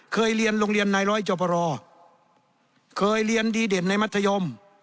เคยเรียนโรงเรียนนายร้อยจบรอเคยเรียนดีเด่นในมัธยม